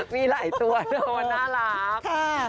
มีหลายตัวน่ารัก